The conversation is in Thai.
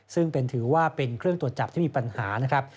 ซึ่งถือว่าเป็นเครื่องตรวจจับที่มีปัญหานะครับ